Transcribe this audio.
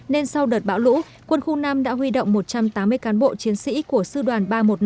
nên sau đợt bão lũ quân khu năm đã huy động một trăm tám mươi cán bộ chiến sĩ của sư đoàn ba trăm một mươi năm